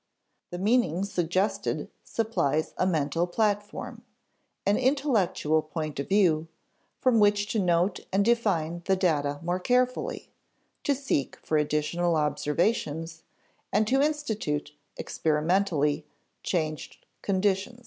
The meaning suggested supplies a mental platform, an intellectual point of view, from which to note and define the data more carefully, to seek for additional observations, and to institute, experimentally, changed conditions.